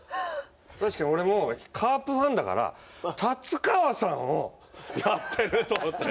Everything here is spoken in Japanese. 確かに俺もカープファンだから達川さんをやってると思って。